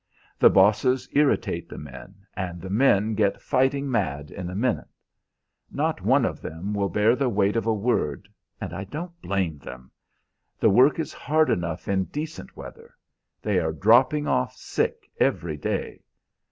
The bosses irritate the men, and the men get fighting mad in a minute. Not one of them will bear the weight of a word, and I don't blame them. The work is hard enough in decent weather; they are dropping off sick every day.